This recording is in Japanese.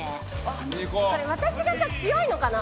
これ私がさ強いのかな？